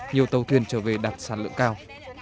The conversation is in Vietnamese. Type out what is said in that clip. nhiều tàu thuyền trở về đạt sản lượng cao